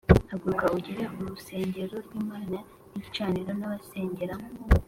“Haguruka ugere urusengero rw’Imana n’igicaniro n’abasengeramo,